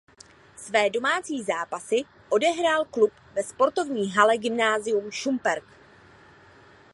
Své domácí zápasy odehrával klub ve sportovní hale Gymnázium Šumperk.